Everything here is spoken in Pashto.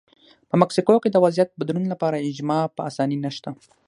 په مکسیکو کې د وضعیت بدلون لپاره اجماع په اسانۍ نشته.